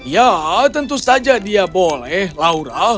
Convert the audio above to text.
ya tentu saja dia boleh laura